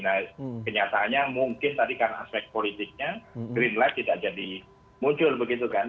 nah kenyataannya mungkin tadi karena aspek politiknya green light tidak jadi muncul begitu kan